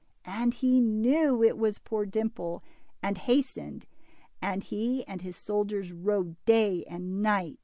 And he knew it was poor Dimple, and hastened, and he and his soldiers rode day and night.